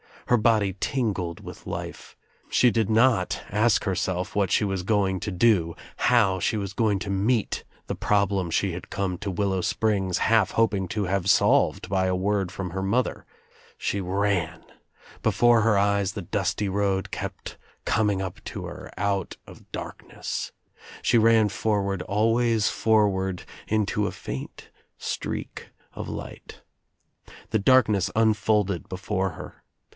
Her body tingled with life. She did not ask herself what she was going to do, how she was to meet the problem she had come to Willow Springs half hoping to have Bolved by a word from her mother. She ran. Before her eyes the dusty road kept coming up to her out of OUT OF NOWHERE INTO NOTHING 267 darkness. She ran forward, always forward into a faint streak of light. The darkness unfolded before her.